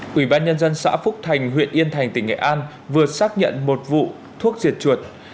quỹ ban nhân dân xã phúc thành huyện yên thành tỉnh nghệ an vừa xác nhận một vụ thuốc diệt chuột